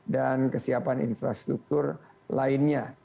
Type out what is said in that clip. dan kesiapan infrastruktur lainnya